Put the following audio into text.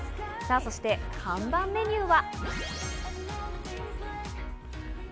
そして看板メニューは。